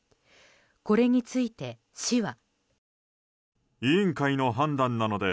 これについて、市は。